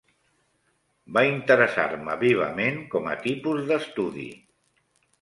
Va interessar-me vivament com a tipus d'estudi